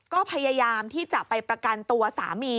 ก็พยายามที่จะไปประกันตัวสามี